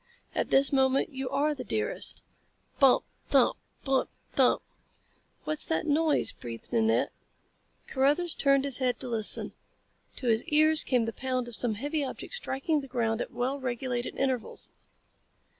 At this moment you are the dearest " Bump, thump! Bump, thump! "What's that noise?" breathed Nanette. Carruthers turned his head to listen. To his ears came the pound of some heavy object striking the ground at well regulated intervals.